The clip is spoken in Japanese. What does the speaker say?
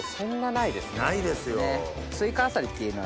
ないですよ。